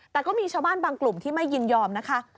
แต่ก็มีชาวบ้านบางกลุ่มที่ไม่ยินยอมนะคะ